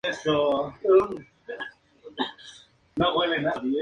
El gobierno provincial en un principio estaba situado en Potsdam.